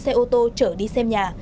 xe ô tô chở đi xem nhà